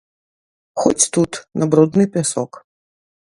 Хоць тут, на брудны пясок.